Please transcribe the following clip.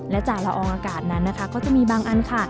และจ่าละอองอากาศนั้นนะคะก็จะมีบางอันค่ะ